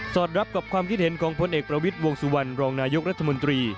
รับกับความคิดเห็นของพลเอกประวิทย์วงสุวรรณรองนายกรัฐมนตรี